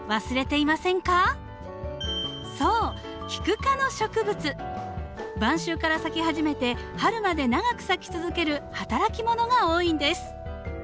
そう晩秋から咲き始めて春まで長く咲き続ける働き者が多いんです。